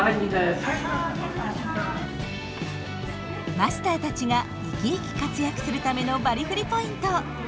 マスターたちが生き生き活躍するためのバリフリポイント。